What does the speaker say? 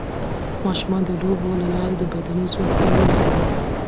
ماشومان د لوبو له لارې د بدني ځواک تمرین کوي.